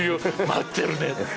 「待ってるネ！！」